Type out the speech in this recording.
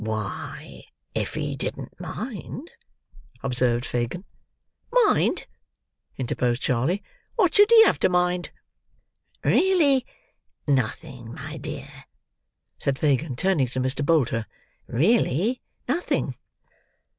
"Why, if he didn't mind—" observed Fagin. "Mind!" interposed Charley. "What should he have to mind?" "Really nothing, my dear," said Fagin, turning to Mr. Bolter, "really nothing."